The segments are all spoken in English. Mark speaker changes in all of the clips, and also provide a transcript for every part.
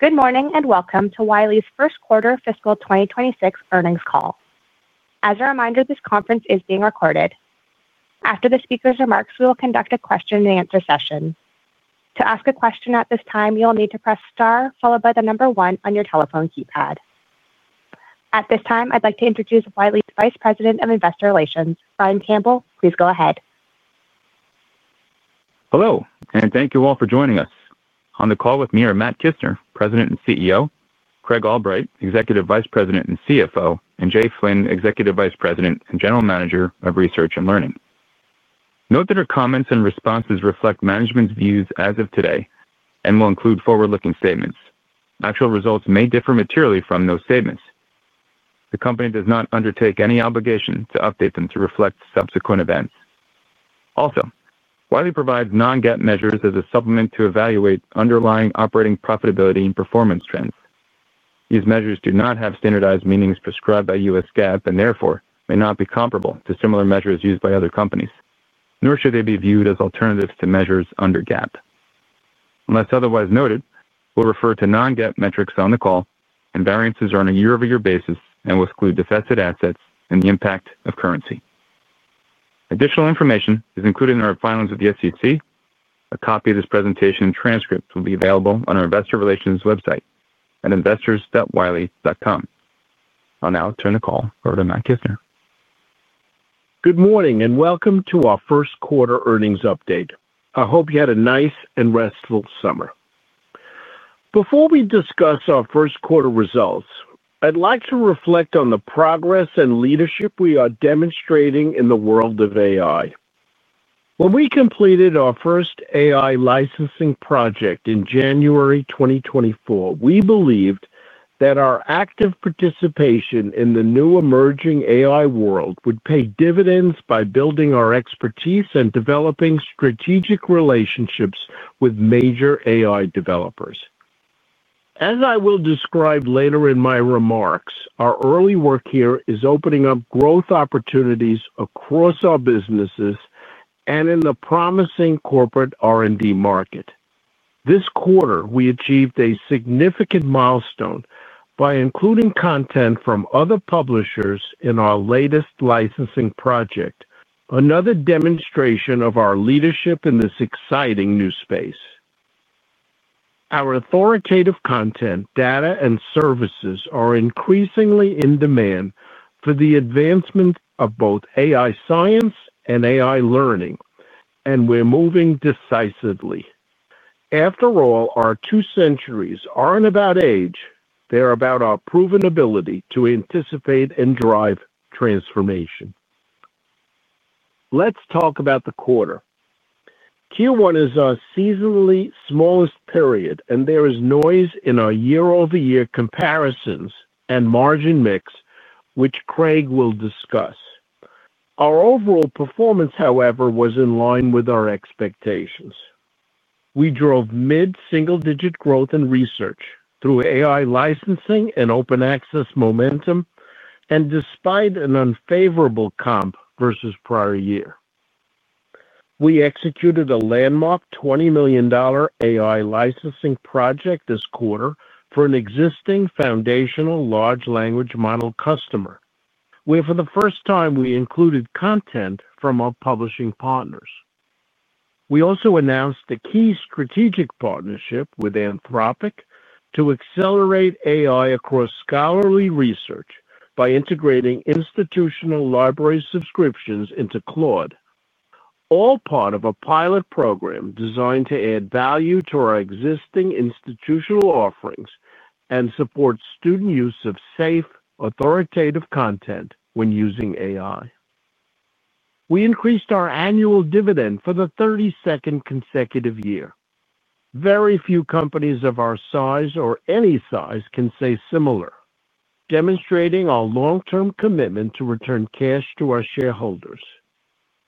Speaker 1: Good morning, and welcome to Wiley's First Quarter Fiscal twenty twenty six Earnings Call. As a reminder, this conference is being recorded. After the speakers' remarks, we will conduct a question and answer session. At this time, I'd like to introduce Wiley's Vice President of Investor Relations, Brian Campbell. Please go ahead.
Speaker 2: Hello, and thank you all for joining us. On the call with me are Matt Kissner, President and CEO Craig Albright, Executive Vice President and CFO and Jay Flynn, Executive Vice President and General Manager of Research and Learning. Note that our comments and responses reflect management's views as of today and will include forward looking statements. Actual results may differ materially from those statements. The company does not undertake any obligation to update them to reflect subsequent events. Also, Wiley provides non GAAP measures as a supplement to evaluate underlying operating profitability and performance trends. These measures do not have standardized meanings prescribed by U. S. GAAP and therefore, may not be comparable to similar measures used by other companies, nor should they be viewed as alternatives to measures under GAAP. Unless otherwise noted, we'll refer to non GAAP metrics on the call, and variances are on a year over year basis and will exclude divested assets and the impact of currency. Additional information is included in our filings with the SEC. A copy of this presentation and transcript will be available on our Investor Relations website at investors.wiley.com. I'll now turn the call over to Matt Kissner.
Speaker 3: Good morning, and welcome to our first quarter earnings update. I hope you had a nice and restful summer. Before we discuss our first quarter results, I'd like to reflect on the progress and leadership we are demonstrating in the world of AI. When we completed our first AI licensing project in January 2024, we believed that our active participation in the new emerging AI world would pay dividends by building our expertise and developing strategic relationships with major AI developers. As I will describe later in my remarks, our early work here is opening up growth opportunities across our businesses and in the promising corporate R and D market. This quarter, we achieved a significant milestone by including content from other publishers in our latest licensing project, another demonstration of our leadership in this exciting new space. Our authoritative content, data and services are increasingly in demand for the advancement of both AI science and AI learning, and we're moving decisively. After all, our two centuries aren't about age, they're about our proven ability to anticipate and drive transformation. Let's talk about the quarter. Q1 is our seasonally smallest period and there is noise in our year over year comparisons and margin mix, which Craig will discuss. Our overall performance, however, was in line with our expectations. We drove mid single digit growth in research through AI licensing and open access momentum and despite an unfavorable comp versus prior year. We executed a landmark $20,000,000 AI licensing project this quarter for an existing foundational large language model customer, where for the first time we included content from our publishing partners. We also announced a key strategic partnership with Anthropic to accelerate AI across scholarly research by integrating institutional library subscriptions into Claude, all part of a pilot program designed to add value to our existing institutional offerings and support student use of safe, authoritative content when using AI. We increased our annual dividend for the thirty second consecutive year. Very few companies of our size or any size can say similar, demonstrating our long term commitment to return cash to our shareholders.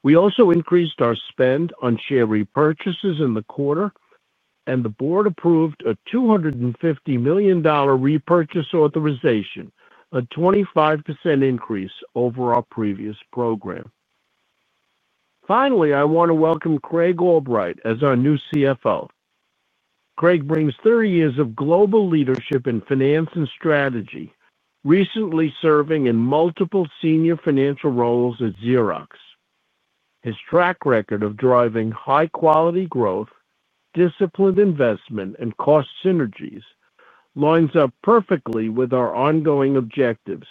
Speaker 3: We also increased our spend on share repurchases in the quarter and the Board approved a $250,000,000 repurchase authorization, a 25% increase over our previous program. Finally, I want to welcome Craig Albright as our new CFO. Craig brings thirty years of global leadership in finance and strategy, recently serving in multiple senior financial roles at Xerox. His track record of driving high quality growth, disciplined investment and cost synergies lines up perfectly with our ongoing objectives.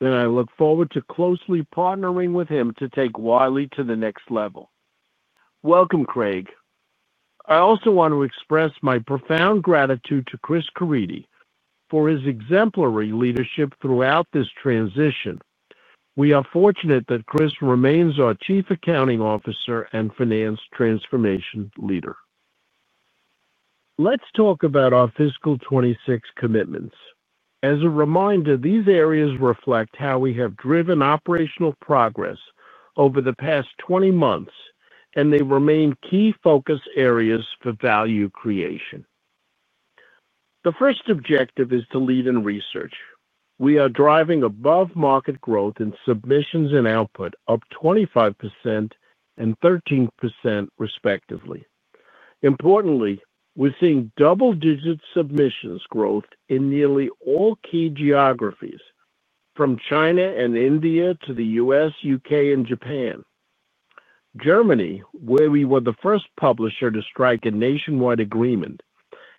Speaker 3: And I look forward to closely partnering with him to take Wiley to the next level. Welcome, Craig. I also want to express my profound gratitude to Chris Caridi for his exemplary leadership throughout this transition. We are fortunate that Chris remains our Chief Accounting Officer and Finance Transformation Leader. Let's talk about our fiscal twenty twenty six commitments. As a reminder, these areas reflect how we have driven operational progress over the past twenty months and they remain key focus areas for value creation. The first objective is to lead in research. We are driving above market growth in submissions and output, up 2513% respectively. Importantly, we're seeing double digit submissions growth in nearly all key geographies from China and India to The U. S, UK and Japan. Germany, where we were the first publisher to strike a nationwide agreement,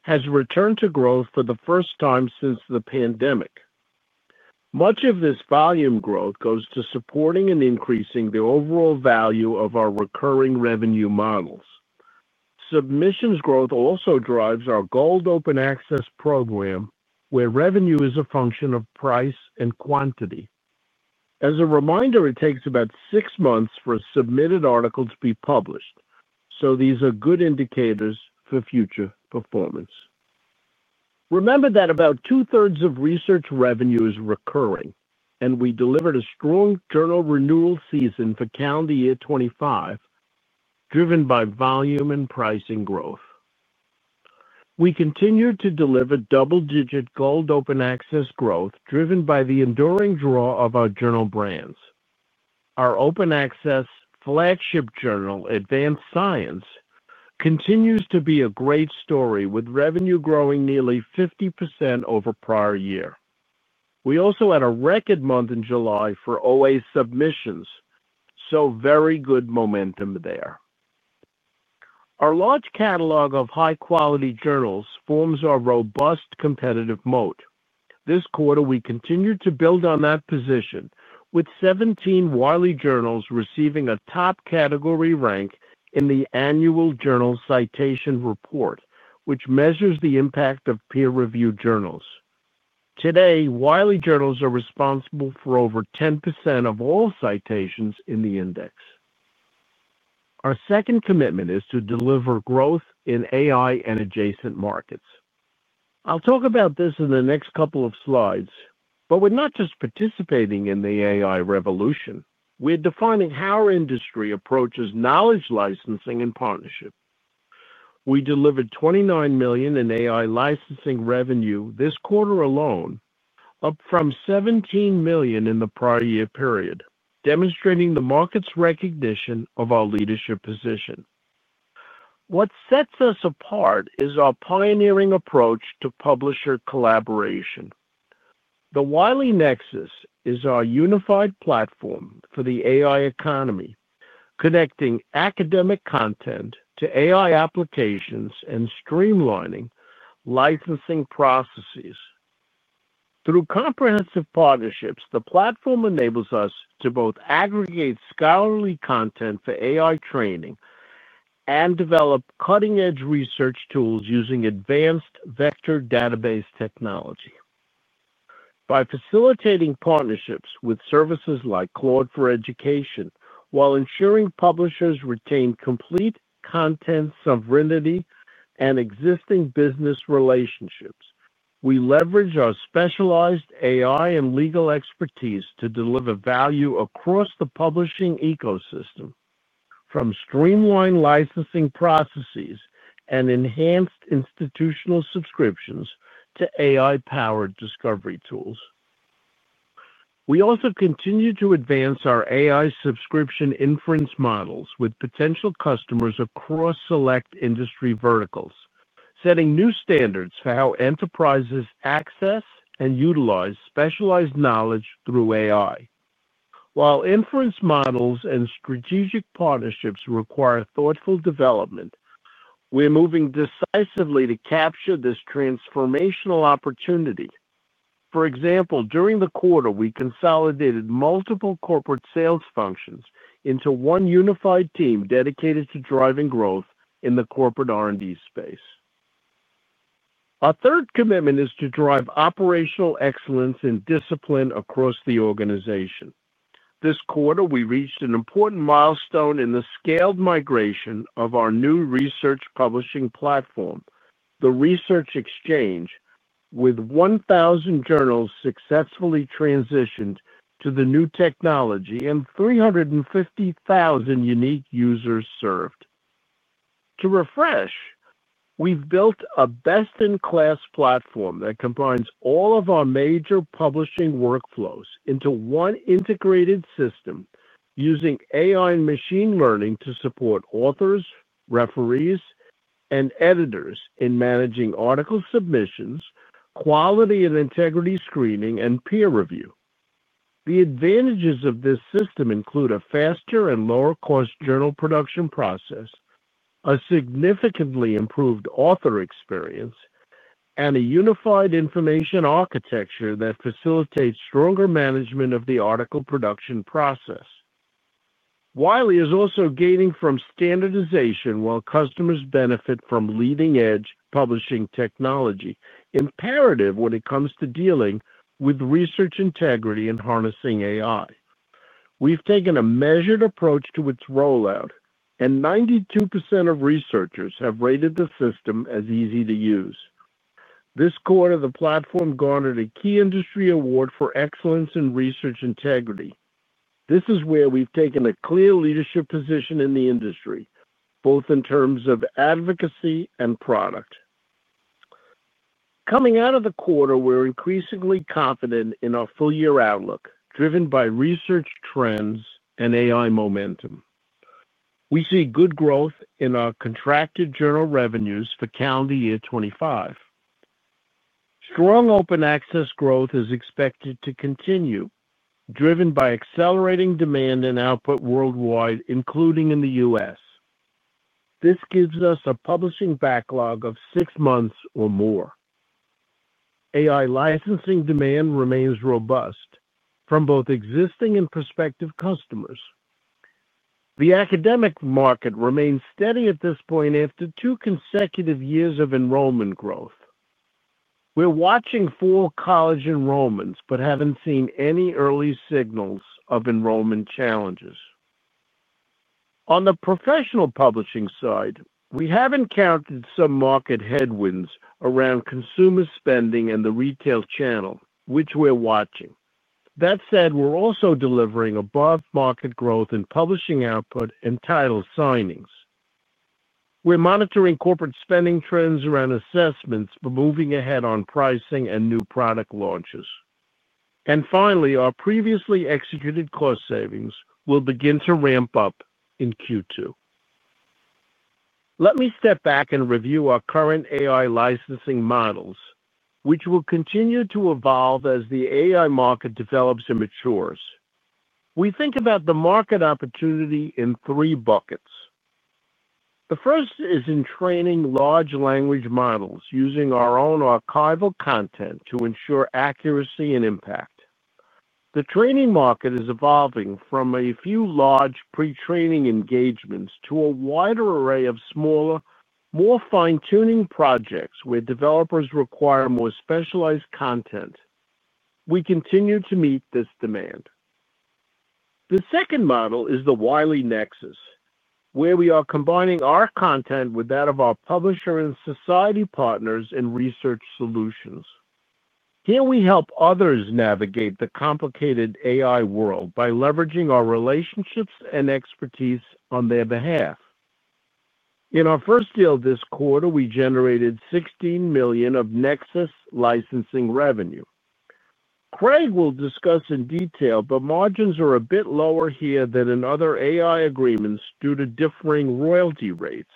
Speaker 3: has returned to growth for the first time since the pandemic. Much of this volume growth goes to supporting and increasing the overall value of our recurring revenue models. Submissions growth also drives our Gold Open Access program, where revenue is a function of price and quantity. As a reminder, it takes about six months for a submitted article to be published. So these are good indicators for future performance. Remember that about two thirds of research revenue is recurring and we delivered a strong journal renewal season for calendar year 2025, driven by volume and pricing growth. We continue to deliver double digit gold open access growth driven by the enduring draw of our journal brands. Our open access flagship journal, Advanced Science, continues to be a great story with revenue growing nearly 50% over prior year. We also had a record month in July for OA submissions, so very good momentum there. Our large catalog of high quality journals forms our robust competitive moat. This quarter, we continued to build on that position with 17 Wiley journals receiving a top category rank in the Annual Journal Citation Report, which measures the impact of peer reviewed journals. Today, Wiley journals are responsible for over 10% of all citations in the index. Our second commitment is to deliver growth in AI and adjacent markets. I'll talk about this in the next couple of slides, but we're not just participating in the AI revolution, we're defining how our industry approaches knowledge licensing and partnership. We delivered 29,000,000 in AI licensing revenue this quarter alone, up from $17,000,000 in the prior year period, demonstrating the market's recognition of our leadership position. What sets us apart is our pioneering approach to publisher collaboration. The Wiley Nexus is our unified platform for the AI economy, connecting academic content to AI applications and streamlining licensing processes. Through comprehensive partnerships, the platform enables us to both aggregate scholarly content for AI training and develop cutting edge research tools using advanced vector database technology. By facilitating partnerships with services like Claude for Education, while ensuring publishers retain complete content sovereignty and existing business relationships, we leverage our specialized AI and legal expertise to deliver value across the publishing ecosystem from streamlined licensing processes and enhanced institutional subscriptions to AI powered discovery tools. We also continue to advance our AI subscription inference models with potential customers across select industry verticals, setting new standards for how enterprises access and utilize specialized knowledge through AI. While inference models and strategic partnerships require thoughtful development, we're moving decisively to capture this transformational opportunity. For example, during the quarter, we consolidated multiple corporate sales functions into one unified team dedicated to driving growth in the corporate R and D space. Our third commitment is to drive operational excellence and discipline across the organization. This quarter, we reached an important milestone in the scaled migration of our new research publishing platform, the Research Exchange with 1,000 journals successfully transitioned to the new technology and 350,000 unique users served. To refresh, we've built a best in class platform that combines all of our major publishing workflows into one integrated system using AI machine learning to support authors, referees and editors in managing article submissions, quality and integrity screening and peer review. The advantages of this system include a faster and lower cost journal production process, a significantly improved author experience and a unified information architecture that facilitates stronger management of the article production process. Wiley is also gaining from standardization while customers benefit from leading edge publishing technology, imperative when it comes to dealing with research integrity and harnessing AI. We've taken a measured approach to its rollout and 92% of researchers have rated the system as easy to use. This quarter, the platform garnered a key industry award for excellence in research integrity. This is where we've taken a clear leadership position in the industry, both in terms of advocacy and product. Coming out of the quarter, we're increasingly confident in our full year outlook, driven by research trends and AI momentum. We see good growth in our contracted journal revenues for calendar year 2025. Strong Open Access growth is expected to continue, driven by accelerating demand and output worldwide, including in The U. S. This gives us a publishing backlog of six months or more. AI licensing demand remains robust from both existing and prospective customers. The academic market remains steady at this point after two consecutive years of enrollment growth. We're watching full college enrollments, but haven't seen any early signals of enrollment challenges. On the professional publishing side, we have encountered some market headwinds around consumer spending in the retail channel, which we're watching. That said, we're also delivering above market growth in publishing output and title signings. We're monitoring corporate spending trends around assessments for moving ahead on pricing and new product launches. And finally, our previously executed cost savings will begin to ramp up in Q2. Let me step back and review our current AI licensing models, which will continue to evolve as the AI market develops and matures. We think about the market opportunity in three buckets. The first is in training large language models using our own archival content to ensure accuracy and impact. The training market is evolving from a few large pre training engagements to a wider array of smaller, more fine tuning projects where developers require more specialized content. We continue to meet this demand. The second model is the Wiley Nexus, where we are combining our content with that of our publisher and society partners in research solutions. Here, we help others navigate the complicated AI world by leveraging our relationships and expertise on their behalf. In our first deal this quarter, we generated $16,000,000 of Nexus licensing revenue. Craig will discuss in detail, but margins are a bit lower here than in other AI agreements due to differing royalty rates.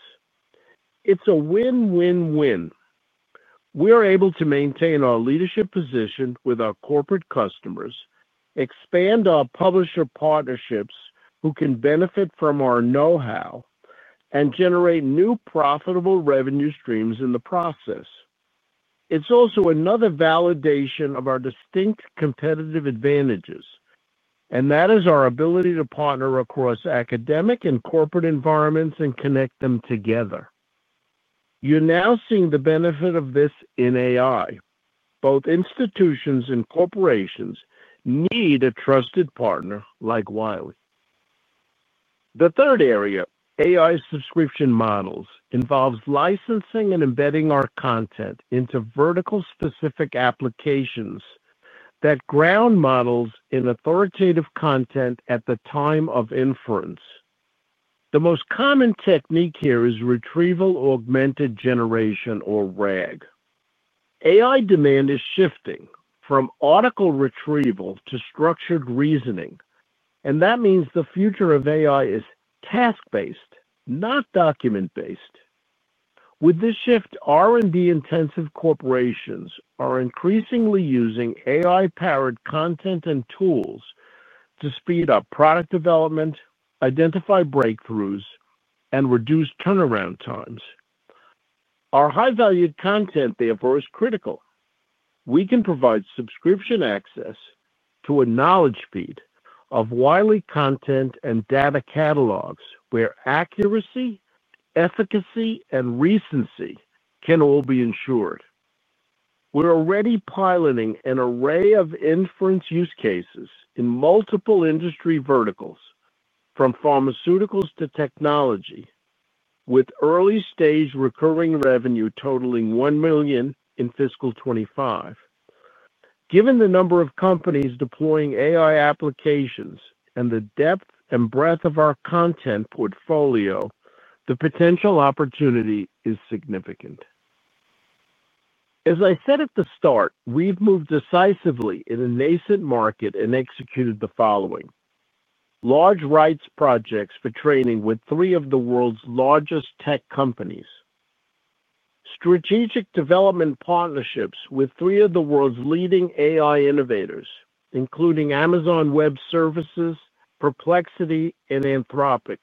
Speaker 3: It's a win win win. We are able to maintain our leadership position with our corporate customers, expand our publisher partnerships who can benefit from our know how and generate new profitable revenue streams in the process. It's also another validation of our distinct competitive advantages and that is our ability to partner across academic and corporate environments and connect them together. You're now seeing the benefit of this in AI. Both institutions and corporations need a trusted partner like Wiley. The third area, AI subscription models involves licensing and embedding our content into vertical specific applications that ground models in authoritative content at the time of inference. The most common technique here is retrieval augmented generation or RAG. AI demand is shifting from article retrieval to structured reasoning. And that means the future of AI is task based, not document based. With this shift, R and D intensive corporations are increasingly using AI powered content and tools to speed up product development, identify breakthroughs and reduce turnaround times. Our high valued content therefore is critical. We can provide subscription access to a knowledge feed of Wiley content and data catalogs where accuracy, efficacy and recency can all be ensured. We're already piloting an array of inference use cases in multiple industry verticals from pharmaceuticals to technology with early stage recurring revenue totaling $1,000,000 in fiscal twenty twenty five. Given the number of companies deploying AI applications and the depth and breadth of our content portfolio, the potential opportunity is significant. As I said at the start, we've moved decisively in a nascent market and executed the following: large rights projects for training with three of the world's largest tech companies strategic development partnerships with three of the world's leading AI innovators, including Amazon Web Services, Perplexity and Anthropic.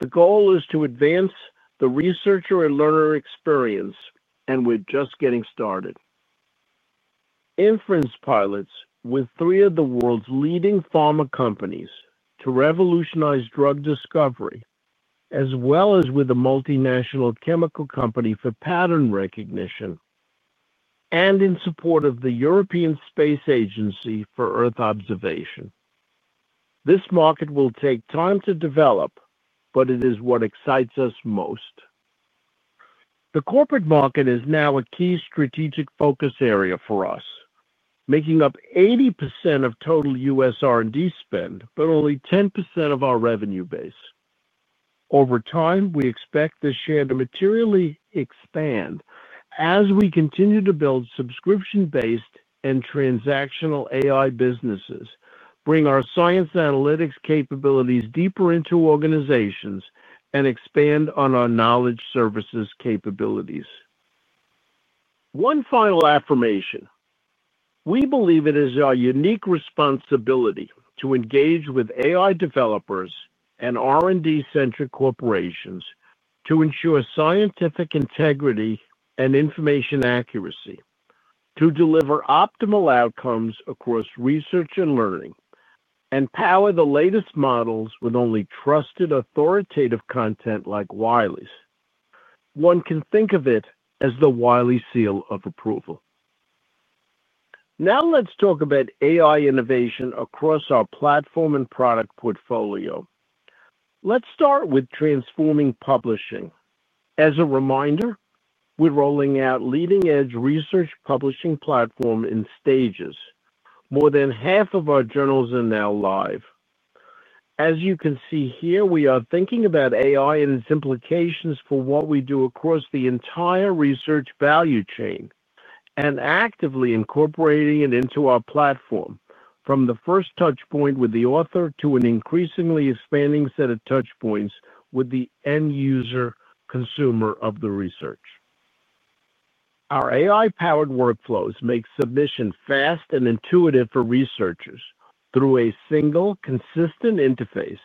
Speaker 3: The goal is to advance the researcher and learner experience and we're just getting started. Inference pilots with three of the world's leading pharma companies to revolutionize drug discovery as well as with a multinational chemical company for pattern recognition and in support of the European Space Agency for Earth Observation. This market will take time to develop, but it is what excites us most. The corporate market is now a key strategic focus area for us, making up 80% of total U. S. R and D spend, but only 10% of our revenue base. Over time, we expect this share to materially expand as we continue to build subscription based and transactional AI businesses, bring our science analytics capabilities deeper into organizations and expand on our knowledge services capabilities. One final affirmation, we believe it is our unique responsibility to engage with AI developers and R and D centric corporations to ensure scientific integrity and information accuracy to deliver optimal outcomes across research and learning and power the latest models with only trusted authoritative content like Wiley's. One can think of it as the Wiley's seal of approval. Now let's talk about AI innovation across our platform and product portfolio. Let's start with transforming publishing. As a reminder, we're rolling out leading edge research publishing platform in stages. More than half of our journals are now live. As you can see here, we are thinking about AI and its implications for what we do across the entire research value chain and actively incorporating it into our platform from the first touch point with the author to an increasingly expanding set of touch points with the end user consumer of the research. Our AI powered workflows make submission fast and intuitive for researchers through a single consistent interface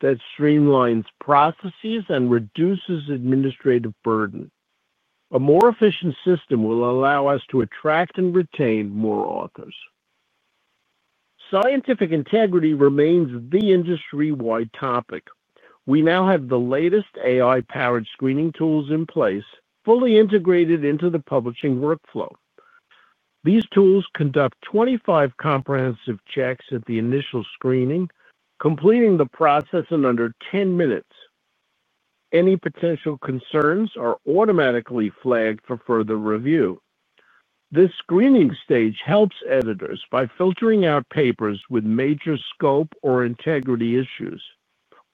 Speaker 3: that streamlines processes and reduces administrative burden. A more efficient system will allow us to attract and retain more authors. Scientific integrity remains the industry wide topic. We now have the latest AI powered screening tools in place fully integrated into the publishing workflow. These tools conduct 25 comprehensive checks at the initial screening, completing the process in under ten minutes. Any potential concerns are automatically flagged for further review. This screening stage helps editors by filtering out papers with major scope or integrity issues.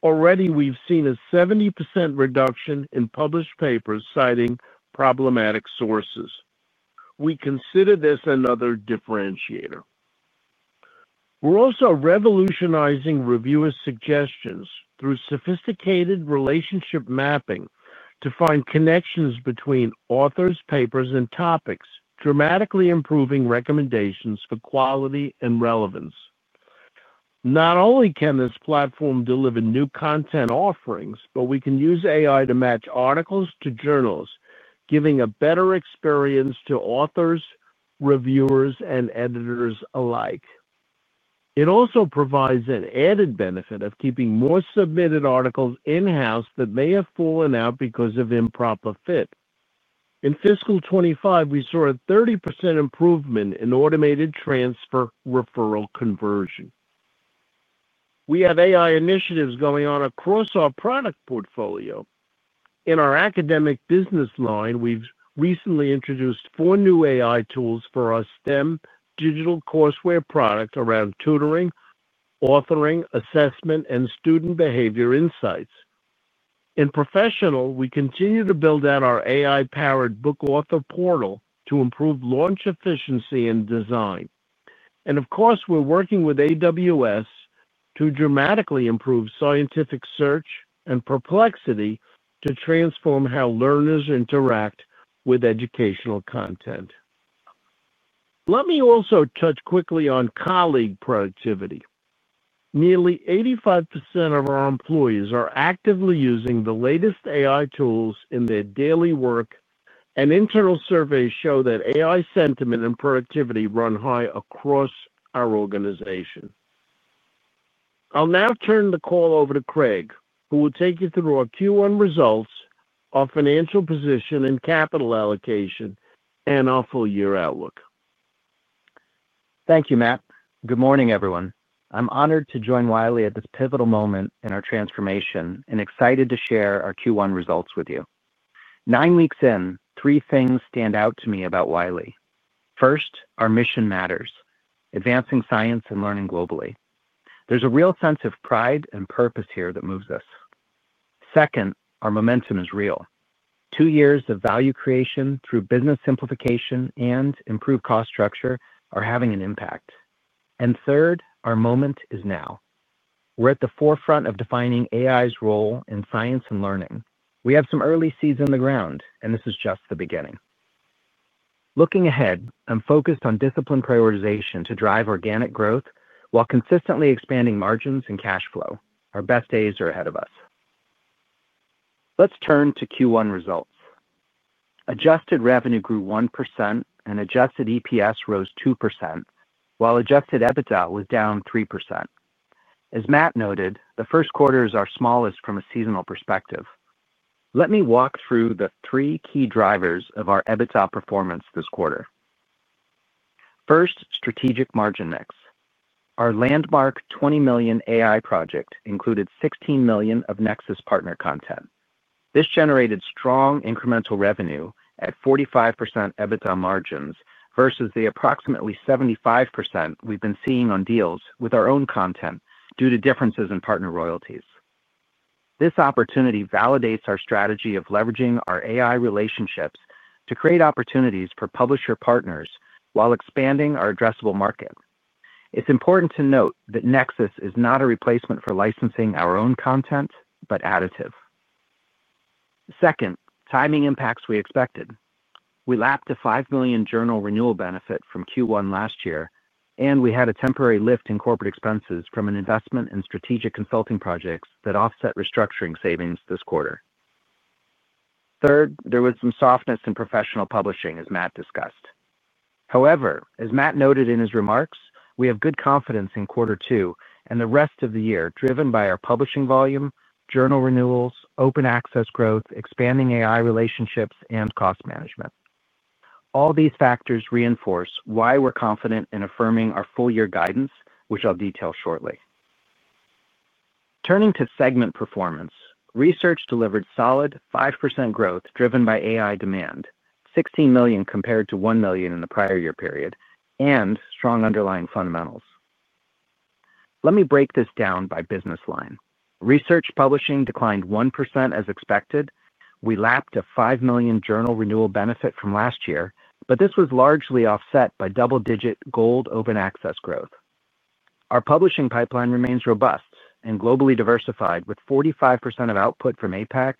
Speaker 3: Already we've seen a 70% reduction in published papers citing problematic sources. We consider this another differentiator. We're also revolutionizing reviewer suggestions through sophisticated relationship mapping to find connections between authors, papers and topics, dramatically improving recommendations for quality and relevance. Not only can this platform deliver new content offerings, but we can use AI to match articles to journals, giving a better experience to authors, reviewers and editors alike. It also provides an added benefit of keeping more submitted articles in house that may have fallen out because of improper fit. In fiscal twenty twenty five, we saw a 30% improvement in automated transfer referral conversion. We have AI initiatives going on across our product portfolio. In our academic business line, we've recently introduced four new AI tools for our STEM digital courseware product around tutoring, authoring, assessment and student behavior insights. In professional, we continue to build out our AI powered book author portal to improve launch efficiency and design. And of course, we're working with AWS to dramatically improve scientific search and perplexity to transform how learners interact with educational content. Let me also touch quickly on colleague productivity. Nearly 85% of our employees are actively using the latest AI tools in their daily work and internal surveys show that AI sentiment and productivity run high across our organization. I'll now turn the call over to Craig, who will take you through our Q1 results, our financial position and capital allocation and our full year outlook.
Speaker 4: Thank you, Matt. Good morning, everyone. I'm honored to join Wiley at this pivotal moment in our transformation and excited to share our Q1 results with you. Nine weeks in, three things stand out to me about Wiley. First, our mission matters, advancing science and learning globally. There's a real sense of pride and purpose here that moves us. Second, our momentum is real. Two years of value creation through business simplification and improved cost structure are having an impact. And third, our moment is now. We're at the forefront of defining AI's role in science and learning. We have some early seeds in the ground and this is just the beginning. Looking ahead, I'm focused on disciplined prioritization to drive organic growth, while consistently expanding margins and cash flow. Our best days are ahead of us. Let's turn to Q1 results. Adjusted revenue grew 1% and adjusted EPS rose 2%, while adjusted EBITDA was down 3%. As Matt noted, the first quarter is our smallest from a seasonal perspective. Let me walk through the three key drivers of our EBITDA performance this quarter. First, strategic margin mix. Our landmark $20,000,000 AI project included $16,000,000 of Nexus partner content. This generated strong incremental revenue at 45% EBITDA margins versus the approximately 75% we've been seeing on deals with our own content due to differences in partner royalties. This opportunity validates our strategy of leveraging our AI relationships to create opportunities for publisher partners while expanding our addressable market. It's important to note that Nexus is not a replacement for licensing our own content, but additive. Second, timing impacts we expected. We lapped a $5,000,000 journal renewal benefit from Q1 last year and we had a temporary lift in corporate expenses from an investment in strategic consulting projects that offset restructuring savings this quarter. Third, there was some softness in Professional Publishing as Matt discussed. However, as Matt noted in his remarks, we have good confidence in quarter two and the rest of the year driven by our Publishing volume, journal renewals, open access growth, expanding AI relationships and cost management. All these factors reinforce why we're confident in affirming our full year guidance, which I'll detail shortly. Turning to segment performance. Research delivered solid 5% growth driven by AI demand, 16,000,000 compared to $1,000,000 in the prior year period and strong underlying fundamentals. Let me break this down by business line. Research Publishing declined 1% as expected. We lapped a $5,000,000 journal renewal benefit from last year, but this was largely offset by double digit Gold Open Access growth. Our publishing pipeline remains robust and globally diversified with 45% of output from APAC,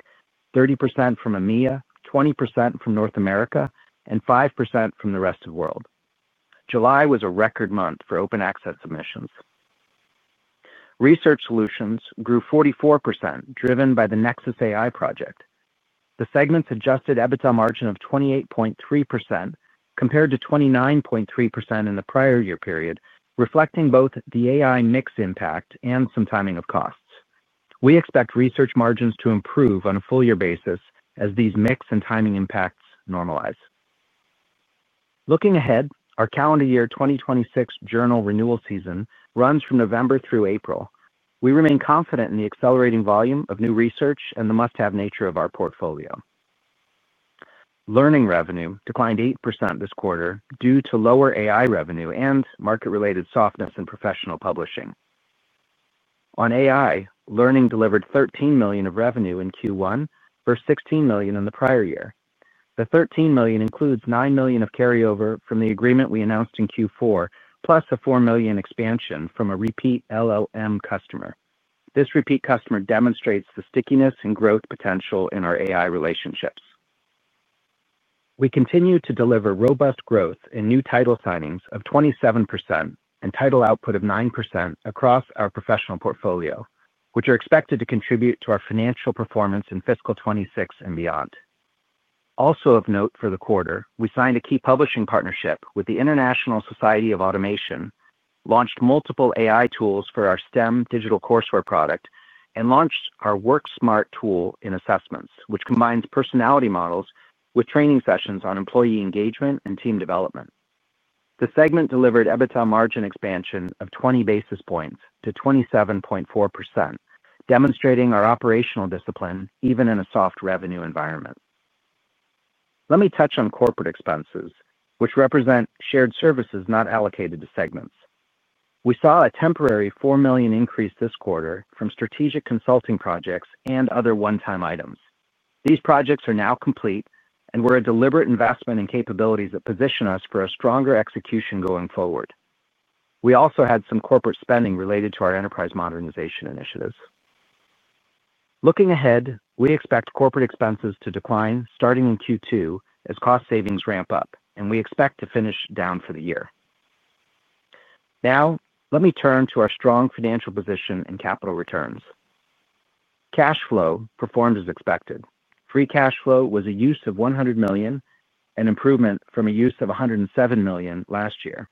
Speaker 4: 30% from EMEA, 20% from North America and 5% from the rest of world. July was a record month for Open Access submissions. Research Solutions grew 44% driven by the neXus AI project. The segment's adjusted EBITDA margin of 28.3 compared to 29.3% in the prior year period, reflecting both the AI mix impact and some timing of costs. We expect Research margins to improve on a full year basis as these mix and timing impacts normalize. Looking ahead, our calendar year 2026 journal renewal season runs from November through April. We remain confident in the accelerating volume of new research and the must have nature of our portfolio. Learning revenue declined 8% this quarter due to lower AI revenue and market related softness in professional publishing. On AI, learning delivered $13,000,000 of revenue in Q1 versus $16,000,000 in the prior year. The $13,000,000 includes $9,000,000 of carryover from the agreement we announced in Q4, plus a $4,000,000 expansion from a repeat LLM customer. This repeat customer demonstrates the stickiness and growth potential in our AI relationships. We continue to deliver robust growth in new title signings of 27% and title output of 9% across our professional portfolio, which are expected to contribute to our financial performance in fiscal twenty twenty six and beyond. Also of note for the quarter, we signed a key publishing partnership with the International Society of Automation, launched multiple AI tools for our STEM digital courseware product and launched our WorkSmart tool in assessments, which combines personality models with training sessions on employee engagement and team development. The segment delivered EBITDA margin expansion of 20 basis points to 27.4%, demonstrating our operational discipline even in a soft revenue environment. Let me touch on corporate expenses, which represent shared services not allocated to segments. We saw a temporary $4,000,000 increase this quarter from strategic consulting projects and other onetime items. These projects are now complete and were a deliberate investment in capabilities that position us for a stronger execution going forward. We also had some corporate spending related to our enterprise modernization initiatives. Looking ahead, we expect corporate expenses to decline starting in Q2 as cost savings ramp up, and we expect to finish down for the year. Now let me turn to our strong financial position and capital returns. Cash flow performed as expected. Free cash flow was a use of $100,000,000 an improvement from a use of $107,000,000 last year.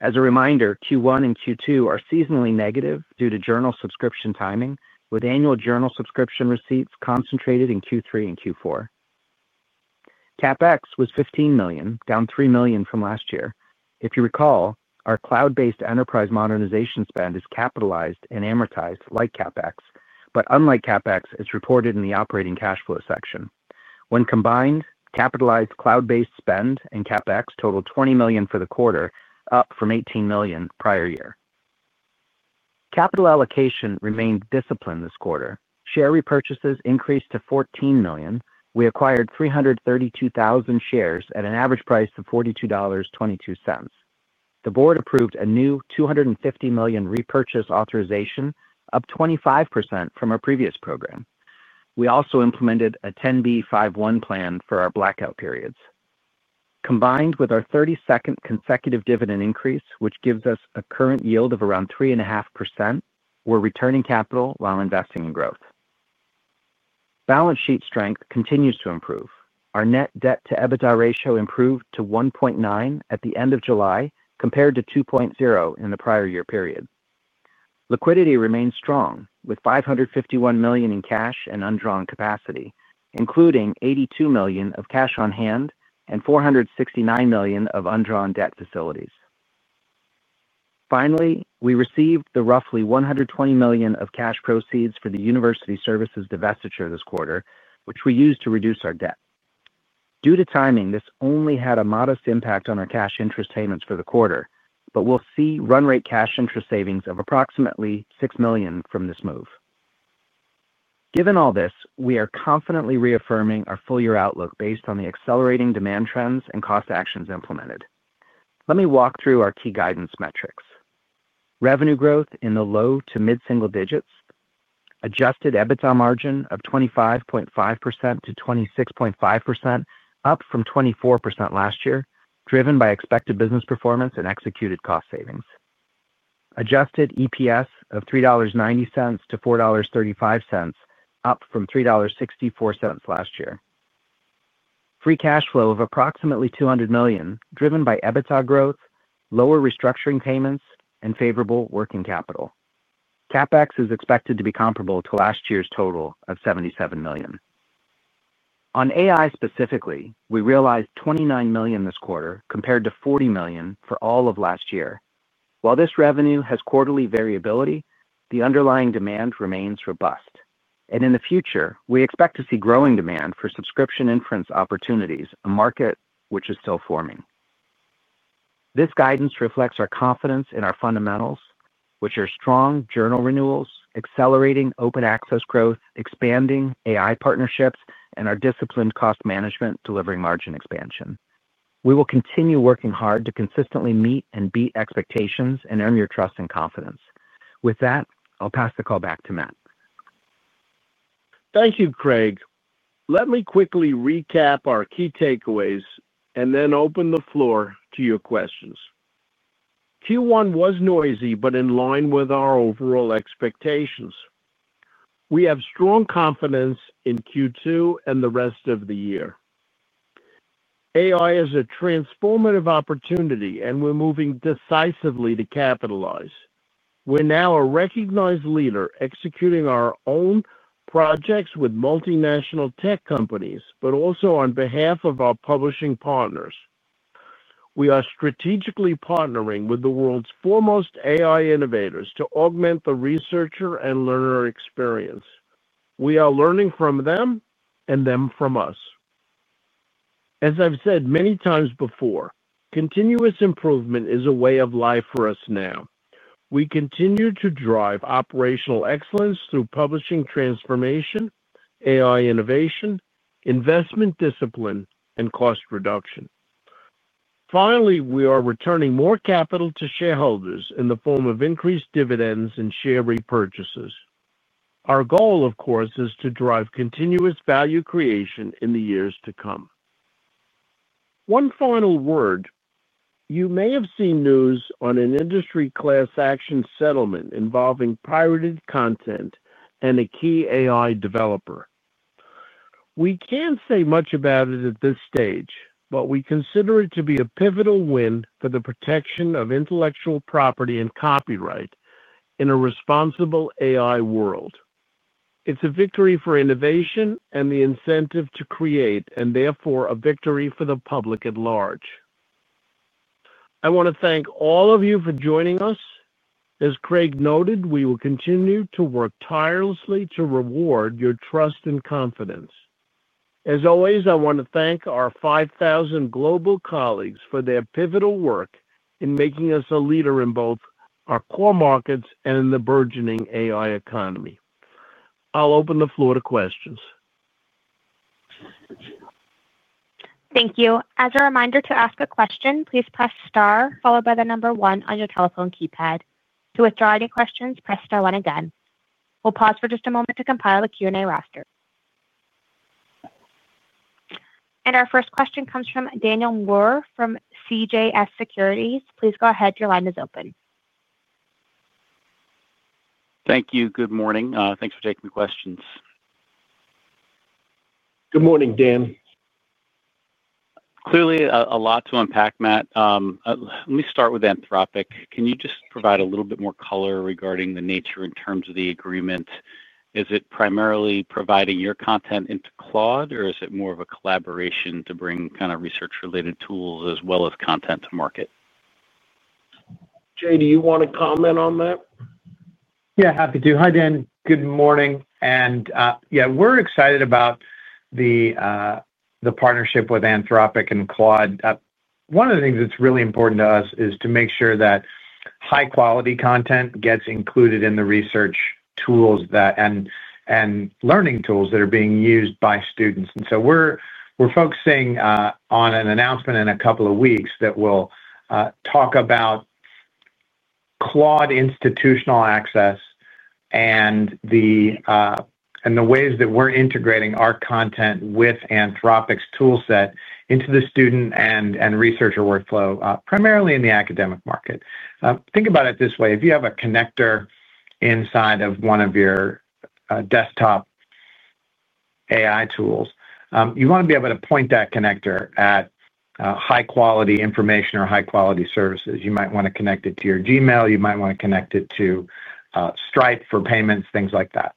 Speaker 4: As a reminder, Q1 and Q2 are seasonally negative due to journal subscription timing with annual journal subscription receipts concentrated in Q3 and Q4. CapEx was $15,000,000 down $3,000,000 from last year. If you recall, our cloud based enterprise modernization spend is capitalized and amortized like CapEx, but unlike CapEx, it's reported in the operating cash flow section. When combined, capitalized cloud based spend and CapEx totaled $20,000,000 for the quarter, up from $18,000,000 prior year. Capital allocation remained disciplined this quarter. Share repurchases increased to $14,000,000 We acquired 332,000 shares at an average price of $42.22 The Board approved a new $250,000,000 repurchase authorization, up 25% from our previous program. We also implemented a 10b5-one plan for our blackout periods. Combined with our thirty second consecutive dividend increase, which gives us a current yield of around 3.5%, we're returning capital while investing in growth. Balance sheet strength continues to improve. Our net debt to EBITDA ratio improved to 1.9 at the July compared to two point zero in the prior year period. Liquidity remains strong with $551,000,000 in cash and undrawn capacity, including $82,000,000 of cash on hand and $469,000,000 of undrawn debt facilities. Finally, we received the roughly $120,000,000 of cash proceeds for the University Services divestiture this quarter, which we used to reduce our debt. Due to timing, this only had a modest impact on our cash interest payments for the quarter, but we'll see run rate cash interest savings of approximately $6,000,000 from this move. Given all this, we are confidently reaffirming our full year outlook based on the accelerating demand trends and cost actions implemented. Let me walk through our key guidance metrics. Revenue growth in the low to mid single digits, adjusted EBITDA margin of 25.5% to 26.5, up from 24% last year, driven by expected business performance and executed cost savings adjusted EPS of $3.9 to $4.35 up from $3.64 last year. Free cash flow of approximately $200,000,000 driven by EBITDA growth, lower restructuring payments and favorable working capital. CapEx is expected to be comparable to last year's total of $77,000,000 On AI specifically, we realized $29,000,000 this quarter compared to $40,000,000 for all of last year. While this revenue has quarterly variability, the underlying demand remains robust. And in the future, we expect to see growing demand for subscription inference opportunities, a market which is still forming. This guidance reflects our confidence in our fundamentals, which are strong journal renewals, accelerating open access growth, expanding AI partnerships and our disciplined cost management delivering margin expansion. We will continue working hard to consistently meet and beat expectations and earn your trust and confidence. With that, I'll pass the call back to Matt.
Speaker 3: Thank you, Craig. Let me quickly recap our key takeaways and then open the floor to your questions. Q1 was noisy, but in line with our overall expectations. We have strong confidence in Q2 and the rest of the year. AI is a transformative opportunity and we're moving decisively to capitalize. We're now a recognized leader executing our own projects with multinational tech companies, but also on behalf of our publishing partners. We are strategically partnering with the world's foremost AI innovators to augment the researcher and learner experience. We are learning from them and them from us. As I've said many times before, continuous improvement is a way of life for us now. We continue to drive operational excellence through publishing transformation, AI innovation, investment discipline and cost reduction. Finally, we are returning more capital to shareholders in the form of increased dividends and share repurchases. Our goal of course is to drive continuous value creation in the years to come. One final word, you may have seen news on an industry class action settlement involving pirated content and a key AI developer. We can't say much about it at this stage, but we consider it to be a pivotal win for the protection of intellectual property and copyright in a responsible AI world. It's a victory for innovation and the incentive to create and therefore a victory for the public at large. I want to thank all of you for joining us. As Craig noted, we will continue to work tirelessly to reward your trust and confidence. As always, I want to thank our 5,000 global colleagues for their pivotal work in making us a leader in both our core markets and the burgeoning AI economy. I'll open the floor to questions.
Speaker 1: Thank you. And our first question comes from Daniel Moore from CJS Securities. Please go ahead. Your line is open.
Speaker 5: Thank you. Good morning. Thanks for taking the questions.
Speaker 3: Good morning, Dan.
Speaker 5: Clearly a lot to unpack, Matt. Let me start with Anthropic. Can you just provide a little bit more color regarding the nature in terms of the agreement? Is it primarily providing your content into Claude? Or is it more of a collaboration to bring kind of research related tools as well as content to market?
Speaker 3: Jay, do you want to comment on that?
Speaker 6: Yes, happy to. Hi, Dan. Good morning. And yes, we're excited about the partnership with Anthropic and Quad. One of the things that's really important to us is to make sure that high quality content gets included in the research tools that and learning tools that are being used by students. And so we're focusing, on an announcement in a couple of weeks that will, talk about clawed institutional access and the and the ways that we're integrating our content with Anthropix toolset into the student and and researcher workflow, primarily in the academic market. Think about it this way. If you have a connector inside of one of your desktop AI tools, you wanna be able to point that connector at high quality information or high quality services. You might wanna connect it to your Gmail. You might wanna connect it to, Stripe for payments, things like that.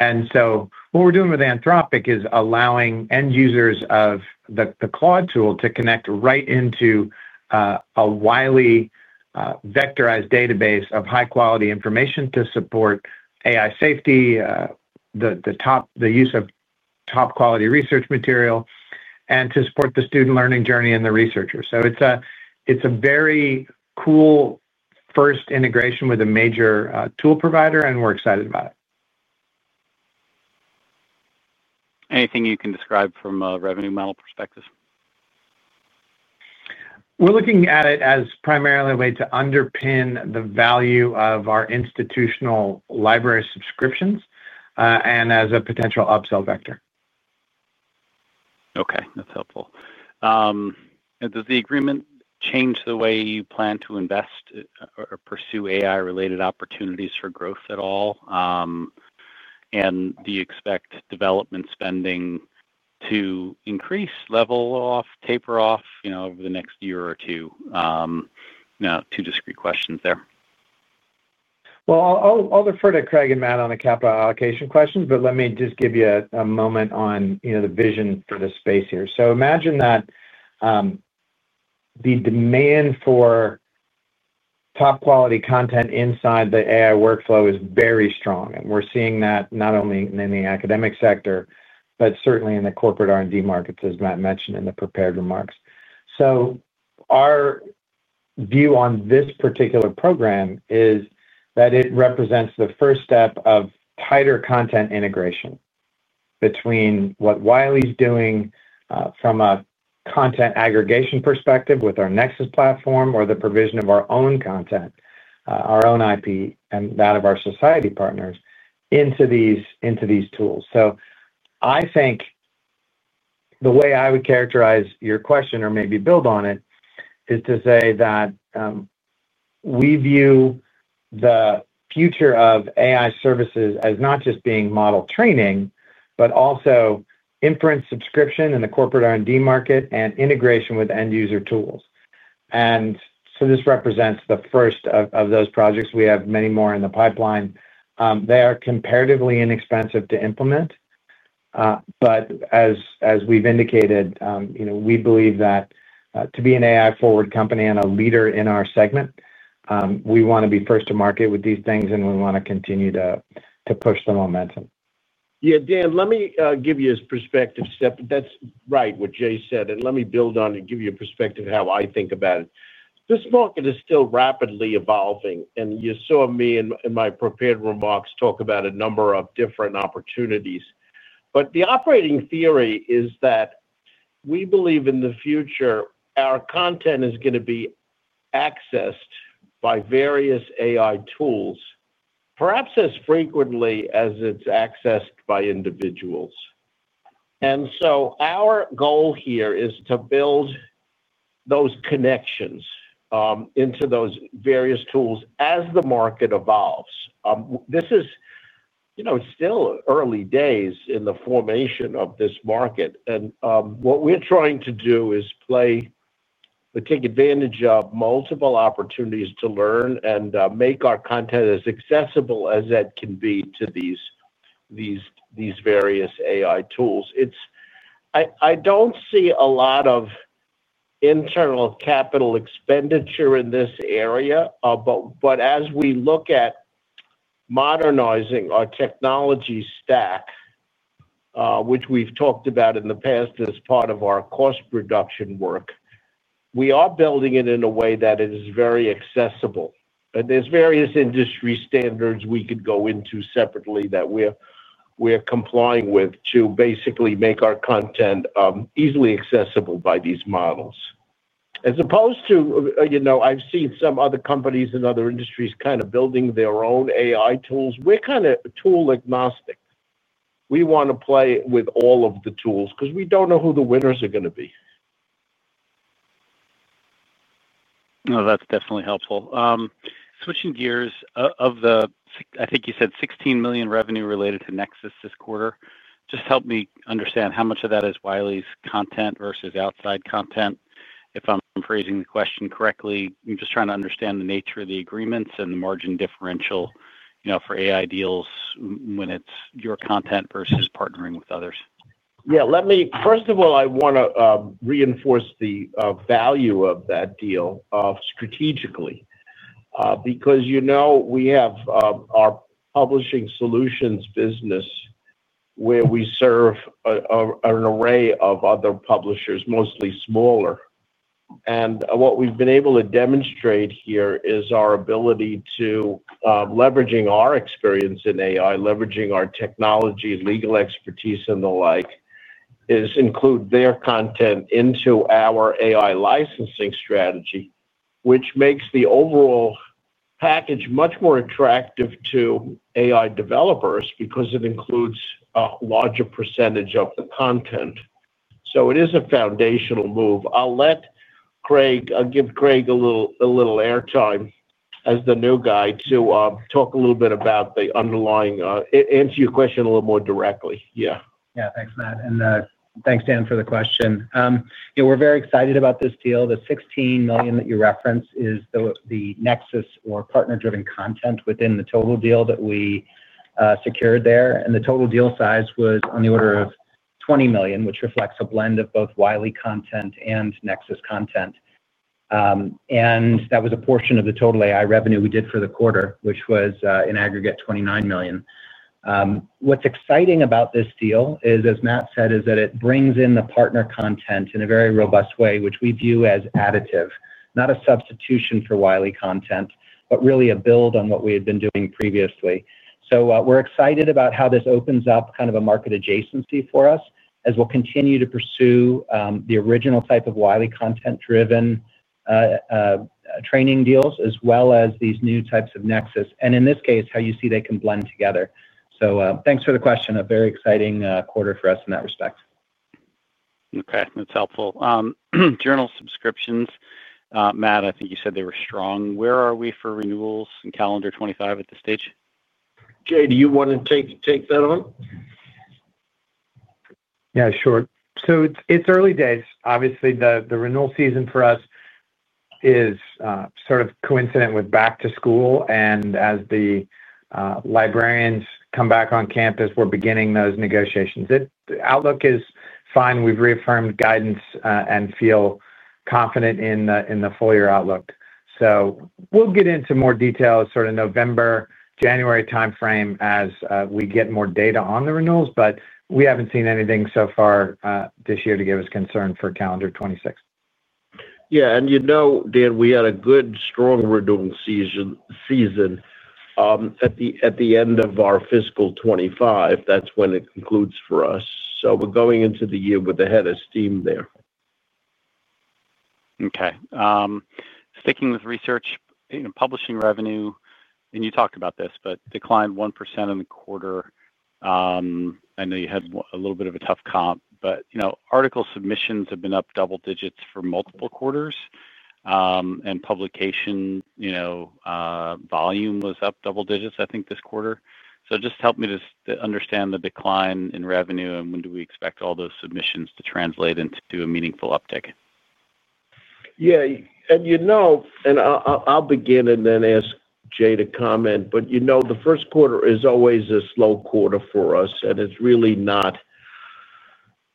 Speaker 6: And so what we're doing with Anthropic is allowing end users of the the Claude tool to connect right into a Wiley vectorized database of high quality information to support AI safety, the the top the use of top quality research material, and to support the student learning journey and the researchers. So it's a it's a very cool first integration with a major tool provider, and we're excited about it.
Speaker 5: Anything you can describe from a revenue model perspective?
Speaker 6: We're looking at it as primarily a way to underpin the value of our institutional library subscriptions and as a potential upsell vector.
Speaker 5: Okay. That's helpful. Does the agreement change the way you plan to invest or pursue AI related opportunities for growth at all? And do you expect development spending to increase level off, taper off over the next year or two? Now two discrete questions there.
Speaker 6: Well, defer to Craig and Matt on the capital allocation questions, but let me just give you a moment on the vision for the space here. So imagine that the demand for top quality content inside the AI workflow is very strong. And we're seeing that not only in the academic sector, but certainly in the corporate R and D markets, as Matt mentioned in the prepared remarks. So our view on this particular program is that it represents the first step of tighter content integration between what Wiley is doing, from a content aggregation perspective with our platform or the provision of our own content, our own IP and that of our society partners into these tools. So I think the way I would characterize your question or maybe build on it is to say that, we view the future of AI services as not just being model training, but also inference subscription in the corporate R and D market and integration with end user tools. And so this represents the first of those projects. We have many more in the pipeline. They are comparatively inexpensive to implement. But as we've indicated, we believe that to be an AI forward company and a leader in our segment, we want to be first to market with these things and we want to continue to push the momentum.
Speaker 3: Yes. Dan, let me give you his perspective, Steph. That's right, what Jay said, and let me build on and give you a perspective how I think about it. This market is still rapidly evolving, and you saw me in my prepared remarks talk about a number of different opportunities, but the operating theory is that we believe in the future, our content is going to be accessed by various AI tools, perhaps as frequently as it's accessed by individuals. Our goal here is to build those connections into those various tools as the market evolves. This is still early days in the formation of this market. What we're trying to do is play take advantage of multiple opportunities to learn and make our content as accessible as that can be to these various AI tools. I don't see a lot of internal capital expenditure in this area, but as we look at modernizing our technology stack, which we've talked about in the past as part of our cost reduction work, we are building it in a way that it is very accessible. But there's various industry standards we could go into separately that we are complying with to basically make our content easily accessible by these models. As opposed to I've seen some other companies industries kind of building their own AI tools. We're kind of tool agnostic. We want to play with all of the tools because we don't know who the winners are going to be.
Speaker 5: No, that's definitely helpful. Switching gears, of the I think you said $16,000,000 revenue related to NEXUS this quarter. Just help me understand how much of that is Wiley's content versus outside content? If I'm phrasing the question correctly, I'm just trying to understand the nature of the agreements and the margin differential for AI deals when it's your content versus partnering with others.
Speaker 3: Yes. Let me first of all, I want to reinforce the value of that deal strategically, because we have our Publishing Solutions business where we serve an array of other publishers, mostly smaller. And what we've been able to demonstrate here is our ability to leveraging our experience in AI, leveraging our technology, legal expertise and the like is include their content into our strategy, which makes the overall package much more attractive to AI developers because it includes a larger percentage of the content. So it is a foundational move. I'll let Craig I'll give Craig a little airtime as the new guy to talk a little bit about the underlying answer your question a little more directly.
Speaker 4: Yes. Thanks, Matt. And thanks, Dan, for the question. We're very excited about this deal. The $16,000,000 that you referenced is the Nexus or partner driven content within the total deal that we secured there. And the total deal size was on the order of $20,000,000 which reflects a blend of both Wiley content and Nexus content. And that was a portion of the total AI revenue we did for the quarter, which was in aggregate 29,000,000 What's exciting about this deal is, as Matt said, is that it brings in the partner content in a very robust way, which we view as additive, not a substitution for Wiley content, but really a build on what we had been doing previously. So we're excited about how this opens up kind of a market adjacency for us as we'll continue to pursue, the original type of Wiley content driven training deals as well as these new types of nexus. And in this case, how you see they can blend together. So thanks for the question. A very exciting quarter for us in that respect.
Speaker 5: Okay. That's helpful. Journal subscriptions, Matt, I think you said they were strong. Where are we for renewals in calendar twenty twenty five at this stage?
Speaker 3: Jay, do you want to take that one?
Speaker 6: Yes, sure. So it's early days. Obviously, renewal season for us is sort of coincident with back to school. And as the librarians come back on campus, we're beginning those negotiations. The outlook is fine. We've reaffirmed guidance and feel confident in the full year outlook. So we'll get into more details sort of November, January timeframe as we get more data on the renewals, but we haven't seen anything so far this year to give us concern for calendar twenty twenty six.
Speaker 3: Yes. And you know, Dan, we had a good strong renewal season at the end of our fiscal twenty twenty five. That's when it concludes for us. So we're going into the year with the head of steam there.
Speaker 5: Okay. Sticking with research, publishing revenue, and you talked about this, but declined 1% in the quarter. I know you had a little bit of a tough comp, but article submissions have been up double digits for multiple quarters, and publication volume was up double digits, I think this quarter. So just help me to understand the decline in revenue and when do we expect all those submissions to translate into a meaningful uptick?
Speaker 3: Yes. And you know and I'll begin and then ask Jay to comment. But you know the first quarter is always a slow quarter for us and it's really not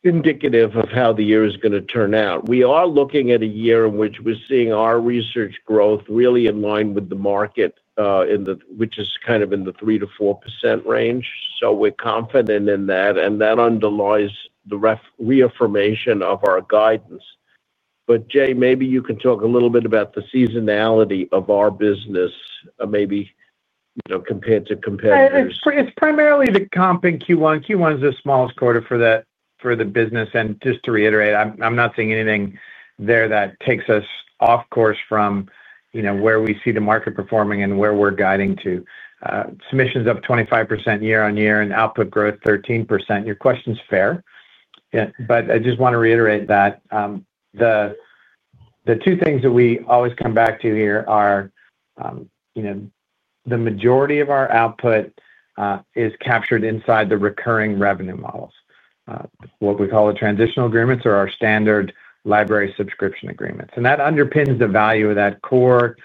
Speaker 3: indicative of how the year is going to turn out. We are looking at a year in which we're seeing our research growth really in line with the market in the which is kind of in the 3% to 4% range. So we're confident in that and that underlies the reaffirmation of our guidance. But Jay, maybe you can talk a little bit about the seasonality of our business maybe compared to competitors?
Speaker 6: It's primarily the comp in Q1. Q1 is the smallest quarter for the business. And just to reiterate, I'm not seeing anything there that takes us off course from where we see the market performing and where we're guiding to. Submissions up 25% year on year and output growth 13%. Your question is fair. But I just want to reiterate that the two things that we always come back to here are the majority of our output is captured inside the recurring revenue models, what we call a transitional agreements or our standard library subscription agreements. And that underpins the value of that core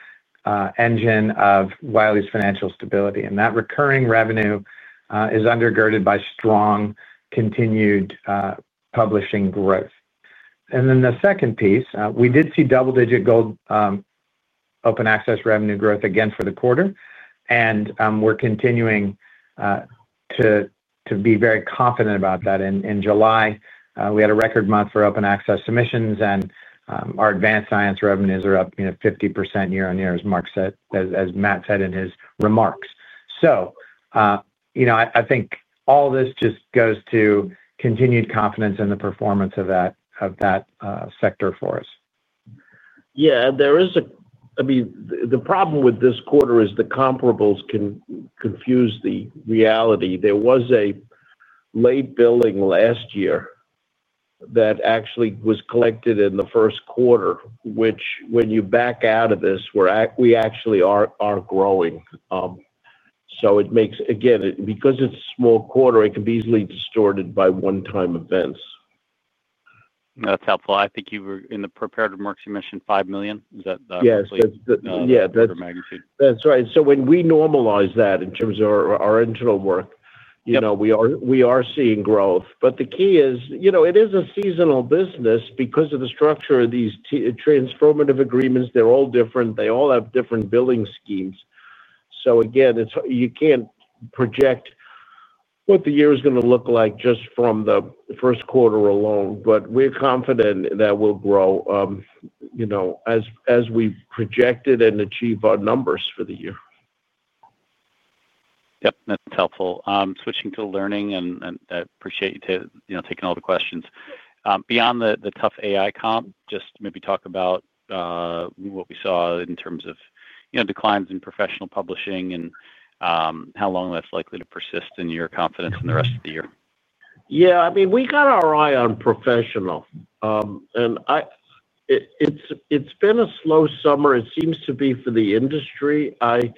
Speaker 6: engine of Wiley's financial stability. And that recurring revenue is undergirded by strong continued publishing growth. And then the second piece, we did see double digit gold Open Access revenue growth again for the quarter. And we're continuing to be very confident about that. In July, we had a record month for open access submissions and our advanced science revenues are up 50% year on year, as Mark said as Matt said in his remarks. So, I think all this just goes to continued confidence in the performance of that sector for us.
Speaker 3: Yes. There is a I mean, the problem with this quarter is the comparables can confuse the reality. There was a late billing last year that actually was collected in the first quarter, which when you back out of this, actually are growing. So it makes again, because it's a small quarter, it can be easily distorted by onetime events.
Speaker 5: That's helpful. I think you were in the prepared remarks, you mentioned $5,000,000 Is that the Yes.
Speaker 3: Right. So when we normalize that in terms of our internal work, we are seeing growth. But the key is, it is a seasonal business because of the structure of these transformative agreements, they're all different, they all have different billing schemes. So again, you can't project what the year is going to look like just from the first quarter alone, but we're confident that we'll grow as we projected and achieve our numbers for the year.
Speaker 5: Yes, that's helpful. Switching to learning and I appreciate you taking all the questions. Beyond the tough AI comp, just maybe talk about what we saw in terms of declines in professional publishing and how long that's likely to persist in your confidence in the rest of the year?
Speaker 3: Yes. I mean, we got our eye on professional. And it's been a slow summer. It seems to be for the industry. I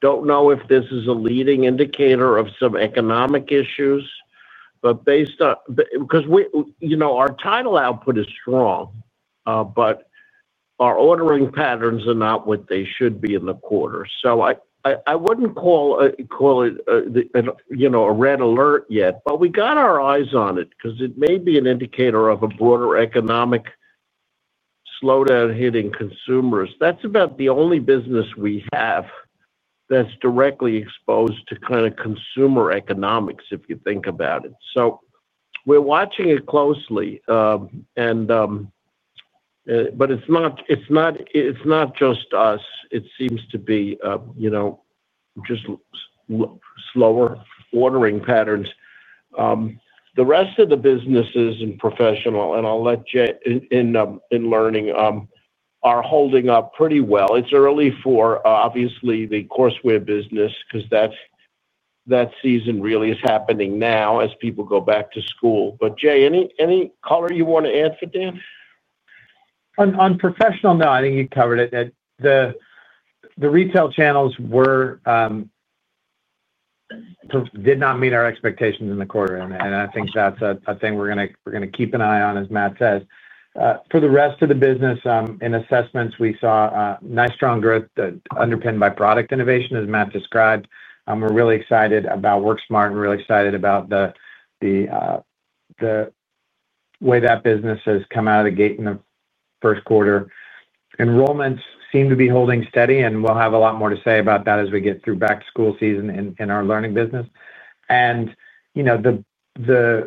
Speaker 3: don't know if this is a leading indicator of some economic issues, but based on because our title output is strong, but our ordering patterns are not what they should be in the quarter. So I wouldn't call it a red alert yet, but we got our eyes on it because it may be an indicator of a broader economic slowdown hitting consumers. That's about the only business we have that's directly exposed to consumer economics if you think about it. We're watching it closely, but it's not just us. It seems to be just slower ordering patterns. The rest of the businesses in Professional, and I'll let Jay in Learning, are holding up pretty well. It's early for obviously the Courseware business because that season really is happening now as people go back to school. But Jay, any color you want to add for Dan?
Speaker 6: On professional, no, I think you covered it. Retail channels were did not meet our expectations in the quarter. And I think that's a thing we're going to keep an eye on, as Matt says. For the rest of the business, in assessments, we saw nice strong growth underpinned by product innovation, as Matt described. We're really excited about WorkSmart. We're really excited about the way that business has come out of the gate in the first quarter. Enrollments seem to be holding steady and we'll have a lot more to say about that as we get through back to school season in our learning business. And the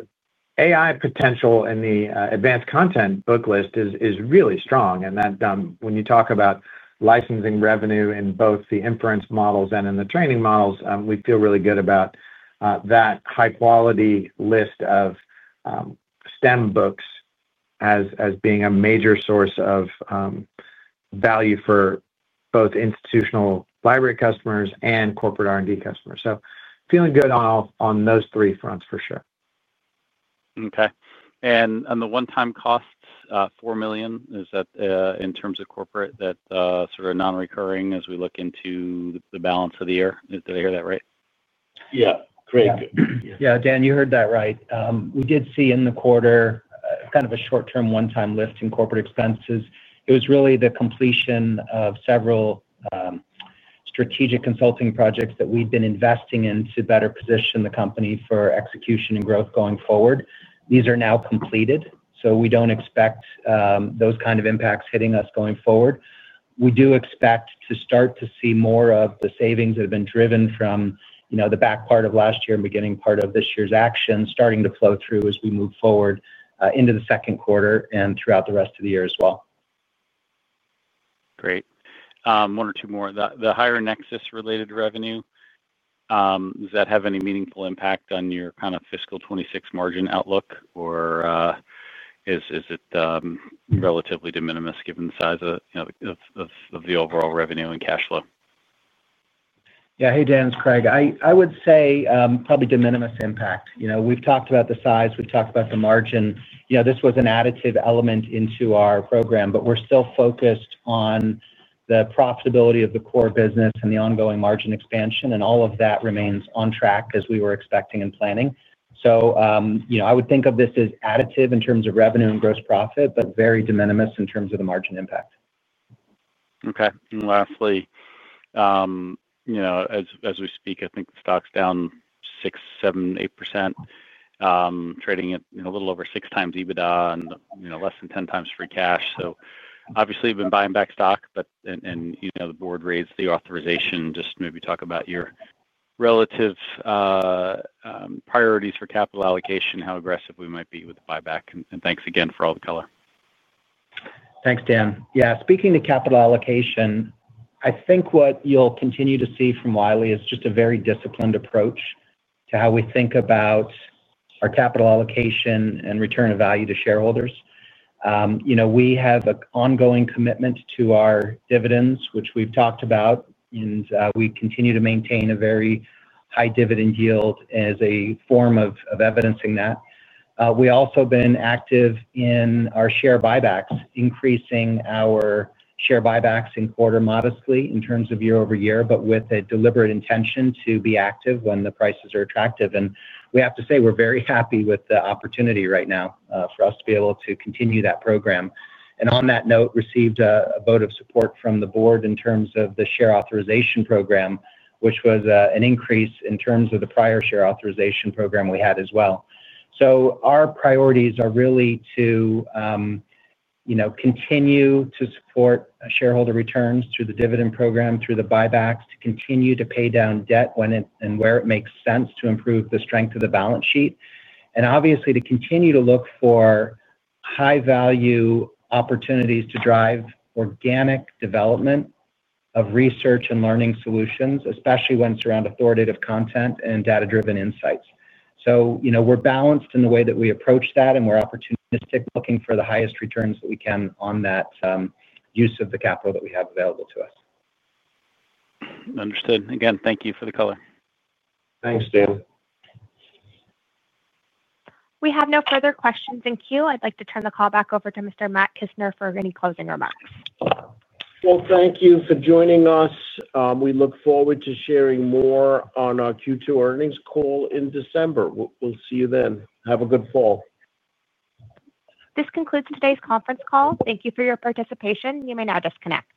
Speaker 6: AI potential in the advanced content book list is really strong. And then when you talk about licensing revenue in both the inference models and in the training models, we feel really good about that high quality list of STEM books as as being a major source of value for both institutional library customers and corporate R and D customers. Feeling good on all on those three fronts for sure.
Speaker 5: Okay. And on the onetime costs, dollars 4,000,000, is that in terms of corporate that sort of nonrecurring as we look into the balance of the year? Did I hear that right?
Speaker 3: Yes, Craig.
Speaker 4: Yes, Dan, you heard that right. We did see in the quarter kind of a short term onetime lift in corporate expenses. It was really the completion of several strategic consulting projects that we've been investing in to better position the company for execution and growth going forward. These are now completed. So we don't expect those kind of impacts hitting us going forward. We do expect to start to see more of the savings that have been driven from the back part of last year and beginning part of this year's action starting to flow through as we move forward into the second quarter and throughout the rest of the year as well.
Speaker 5: Great. One or two more. The higher Nexus related revenue, does that have any meaningful impact on your kind of fiscal twenty twenty six margin outlook? Or is it relatively de minimis given the size of the overall revenue and cash flow?
Speaker 4: Dan, it's Craig. I would say, probably de minimis impact. We've talked about the size. We've talked about the margin. This was an additive element into our program, but we're still focused on the profitability of the core business and the ongoing margin expansion and all of that remains on track as we were expecting and planning. So, I would think of this as additive in terms of revenue and gross profit, but very de minimis in terms of the margin impact.
Speaker 5: Okay. And lastly, as we speak, I think stocks down 67%, 8%, trading at a little over six times EBITDA and less than 10 times free cash. So obviously, you've been buying back stock, but and the board raised the authorization, just maybe talk about your relative priorities for capital allocation, how aggressive we might be with the buyback? Thanks again for all the color.
Speaker 4: Thanks, Dan. Yes, speaking to capital allocation, I think what you'll continue to see from Wiley is just a very disciplined approach to how we think about our capital allocation and return of value to shareholders. We have an ongoing commitment to our dividends, which we've talked about, and we continue to maintain a very high dividend yield as a form of evidencing that. We also been active in our share buybacks increasing our share buybacks in quarter modestly in terms of year over year, but with a deliberate intention to be active when the prices are attractive. And we have to say we're very happy with the opportunity right now for us to be able to continue that program. And on that note, received a vote of support from the Board in terms of the share authorization program, which was an increase in terms of the prior authorization program we had as well. So our priorities are really to continue to support shareholder returns through the dividend program, through the buybacks, to continue to pay down debt when it and where it makes sense to improve the strength of the balance sheet. And obviously, to continue to look for high value opportunities to drive organic development of research and learning solutions, especially when it's around authoritative content and data driven insights. So we're balanced in the way that we approach that and we're opportunistic looking for the highest returns that we can on that use of the capital that we have available to us.
Speaker 5: Understood. Again, you for the color.
Speaker 4: Thanks, Dan.
Speaker 1: We have no further questions in queue. I'd like to turn the call back over to Mr. Matt Kissner for any closing remarks.
Speaker 3: Well, thank you for joining us. We look forward to sharing more on our Q2 earnings call in December. We'll see you then. Have a good fall.
Speaker 1: This concludes today's conference call. Thank you for your participation. You may now disconnect.